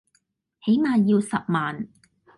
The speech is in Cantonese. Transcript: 起碼要十萬